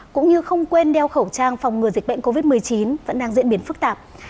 cũng như không quên đeo khẩu trang phòng ngừa dịch bệnh covid một mươi chín vẫn đang diễn biến phức tạp